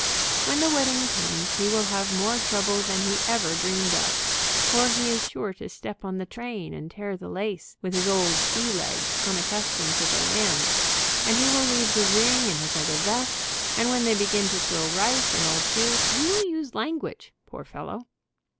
"ADMIRAL, is MY HAT ON STRAIGHT?" 21 When the wedding comes, he will have more trouble than he ever dreamed of, for he is sure to step on the train and tear the lace, with his old sea legs unaccus tomed to the land, and he will leave the ring in his other vest, and when they begin to throw rice and old shoes he will use language, poor fellow.